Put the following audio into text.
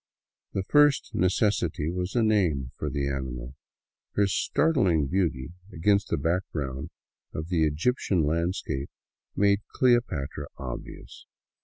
The first necessity was a name for the animal. Her startling beauty against the background of the Egyptian landscape made " Cleopatra " obvious.